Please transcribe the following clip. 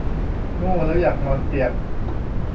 โง่แล้วอยากนอนเตียง